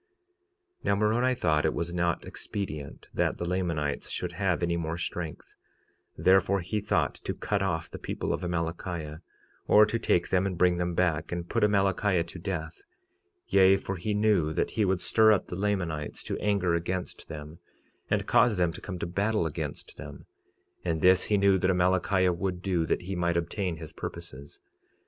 46:30 Now Moroni thought it was not expedient that the Lamanites should have any more strength; therefore he thought to cut off the people of Amalickiah, or to take them and bring them back, and put Amalickiah to death; yea, for he knew that he would stir up the Lamanites to anger against them, and cause them to come to battle against them; and this he knew that Amalickiah would do that he might obtain his purposes.